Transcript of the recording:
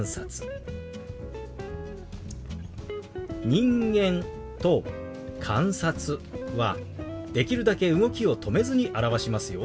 「人間」と「観察」はできるだけ動きを止めずに表しますよ。